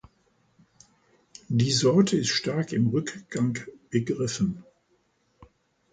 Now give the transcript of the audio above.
Die Sorte ist stark im Rückgang begriffen.